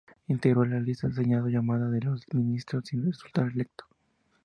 Integró la lista al Senado llamada "de los ministros", sin resultar electo.